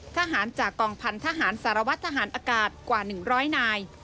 ทหารจากกองพันธหารสารวัตรทหารอากาศกว่า๑๐๐นาย